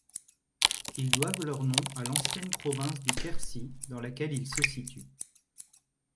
Ils doivent leur nom à l'ancienne province du Quercy dans laquelle ils se situent.